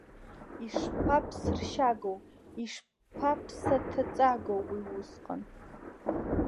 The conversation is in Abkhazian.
Ишԥаԥсыршьагоу, ишԥаԥсҭаҵагоу уи усҟан!